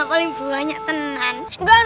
paling banyak tenang